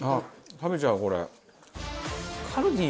食べちゃうこれ。